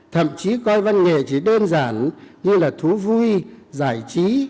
thậm chí coi văn nghệ thì đơn giản như là thú vui giải trí